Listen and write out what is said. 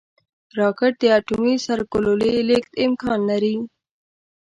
راکټ د اټومي سرګلولې لیږد امکان لري